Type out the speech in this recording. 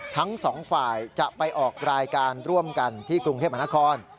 ทั้งสองฝ่ายจะไปออกรายการร่วมกันที่กรุงเทพมหานคร